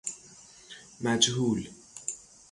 مجهول